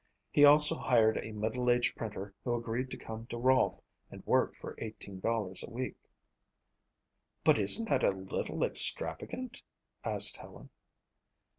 He also hired a middle aged printer who agreed to come to Rolfe and work for $18 a week. "But isn't that a little extravagant?" asked Helen.